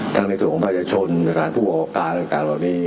ทั้งในส่วนของประชาชนทางผู้ออกการต่างเหล่านี้